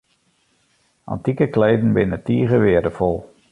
Antike kleden binne tige weardefol.